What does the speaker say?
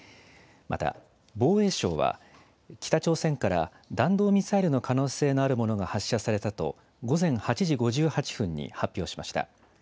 また、防衛省は、北朝鮮から弾道ミサイルの可能性のあるものが発射されたと、午前８時５８分に発表しました。